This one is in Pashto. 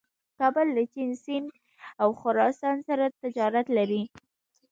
کابل له چین، سیند او خراسان سره تجارت لري.